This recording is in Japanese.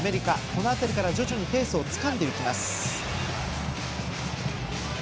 この辺りから徐々にペースをつかんでいきます。